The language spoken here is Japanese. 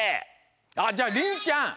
あっじゃありんちゃん！